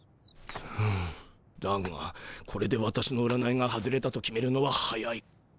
だがこれで私の占いが外れたと決めるのは早い。